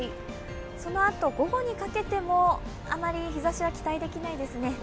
そのあと午後にかけてもあまり日ざしは期待できないですね。